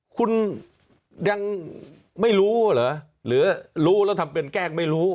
คุณยังไม่รู้เหรอหรือรู้แล้วทำเป็นแกล้งไม่รู้